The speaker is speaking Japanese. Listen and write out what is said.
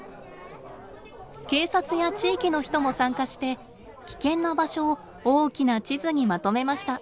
警察や地域の人も参加して危険な場所を大きな地図にまとめました。